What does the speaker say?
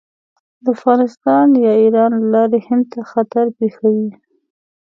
له افغانستان یا ایران له لارې هند ته خطر پېښوي.